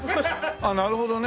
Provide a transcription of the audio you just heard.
なるほどね。